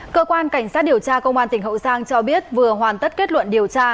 cơ quan cảnh sát điều tra công an tỉnh hậu giang cho biết vừa hoàn tất kết luận điều tra